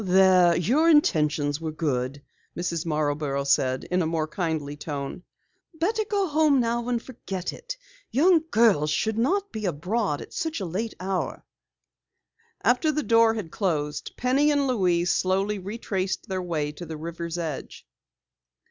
"There, your intentions were good," Mrs. Marborough said in a more kindly tone. "Better go home now and forget it. Young girls shouldn't be abroad at such a late hour." After the door had closed, Penny and Louise slowly retraced their way to the river's edge.